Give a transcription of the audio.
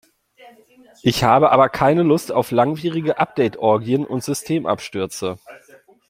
Ich habe aber keine Lust auf langwierige Update-Orgien und Systemabstürze.